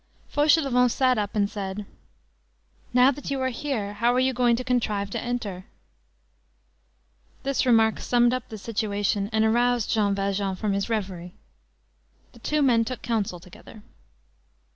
Fauchelevent sat up and said:— "Now that you are here, how are you going to contrive to enter?" This remark summed up the situation and aroused Jean Valjean from his reverie. The two men took counsel together.